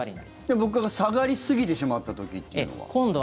物価が下がりすぎてしまった時っていうのは？